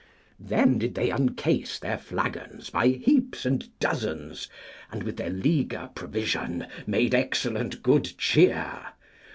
Then did they uncase their flagons by heaps and dozens, and with their leaguer provision made excellent good cheer.